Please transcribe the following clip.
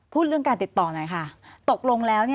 พูดเรื่องการติดต่อหน่อยค่ะ